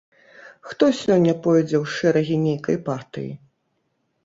Хто сёння пойдзе ў шэрагі нейкай партыі?